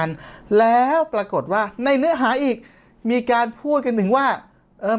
กันแล้วปรากฏว่าในเนื้อหาอีกมีการพูดกันถึงว่าเอ่อ